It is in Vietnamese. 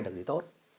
được gì tốt